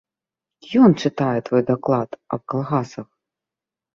Ён чытае твой даклад аб калгасах!